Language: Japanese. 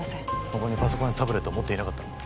他にパソコンやタブレットは持っていなかったのか？